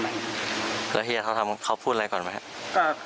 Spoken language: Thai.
ทำไมพี่ต้องมาใส่กูมึงด้วย